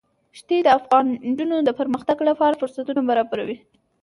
ښتې د افغان نجونو د پرمختګ لپاره فرصتونه برابروي.